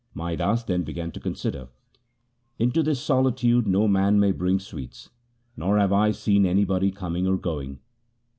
Mai Das then began to consider :' Into this solitude no man may bring sweets, nor have I seen anybody coming or going.